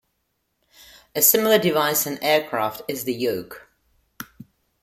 A similar device in aircraft is the yoke.